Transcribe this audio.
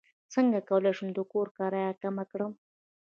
څنګه کولی شم د کور کرایه کمه کړم